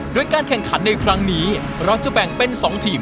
โดยการแข่งขันในครั้งนี้เราจะแบ่งเป็น๒ทีม